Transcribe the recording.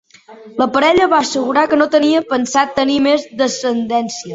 La parella va assegurar que no tenia pensat tenir més descendència.